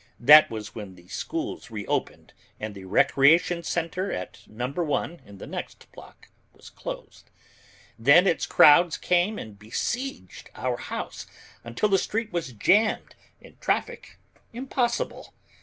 That was when the schools reopened and the recreation center at No. 1 in the next block was closed. Then its crowds came and besieged our house until the street was jammed and traffic impossible.